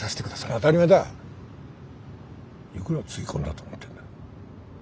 いくらつぎ込んだと思ってるんだ。